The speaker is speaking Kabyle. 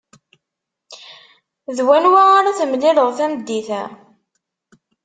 D wanwa ara temlileḍ tameddit-a?